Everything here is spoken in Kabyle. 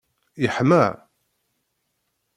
Yeḥma?